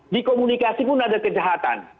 di komunikasi pun ada kejahatan